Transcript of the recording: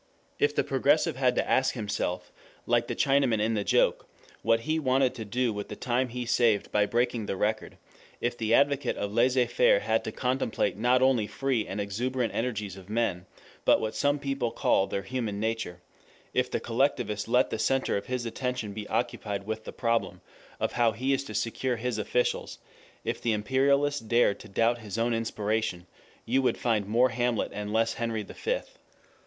If the progressive had to ask himself, like the Chinaman in the joke, what he wanted to do with the time he saved by breaking the record, if the advocate of laissez faire had to contemplate not only free and exuberant energies of men, but what some people call their human nature, if the collectivist let the center of his attention be occupied with the problem of how he is to secure his officials, if the imperialist dared to doubt his own inspiration, you would find more Hamlet and less Henry the Fifth.